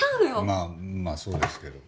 まあまあそうですけど。